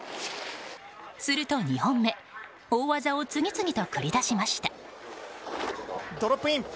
すると２本目大技を次々と繰り出しました。